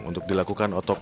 untuk dilakukan otot